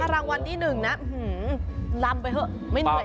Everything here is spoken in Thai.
ถ้ารางวัลที่๑น่ะลำไปเถอะ